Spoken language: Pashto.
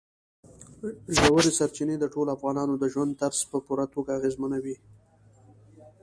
ژورې سرچینې د ټولو افغانانو د ژوند طرز په پوره توګه اغېزمنوي.